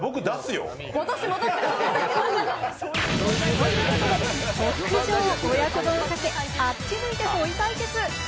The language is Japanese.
ということで、特上親子丼をかけた、あっち向いてホイ対決。